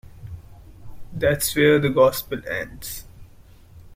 That's where the Gospel ends.